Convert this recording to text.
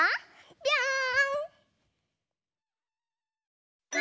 ぴょん！